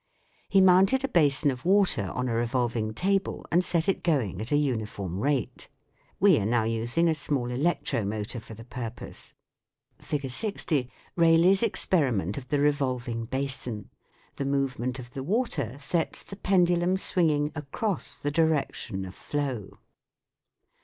He mounted a basin of water on a revolving table and set it going at a uniform rate : we are now using a small electromotor for the pur FlG. 60. Rayleigh's experiment of the revolving basin. The movement of the water sets the pendulum swinging across the direction of flow.